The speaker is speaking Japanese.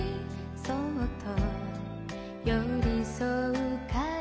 「そっと寄りそうから」